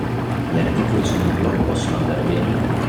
Gli articoli sul mio blog possono andare bene?